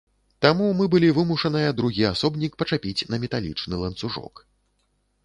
Таму мы былі вымушаныя другі асобнік пачапіць на металічны ланцужок.